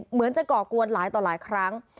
เหมือนจะก่อกวนหลายต่อหลายครั้ง